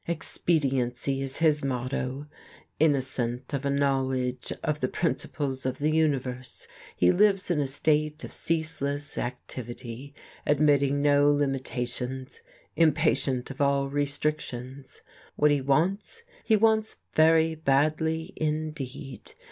Expediency is his motto. Innocent of a knowledge of the principles of the universe, he lives in a state of ceaseless activity, admitting no limitations, impatient of all restrictions. What he wants, he wants very badly indeed.